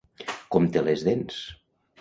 Com té les dents?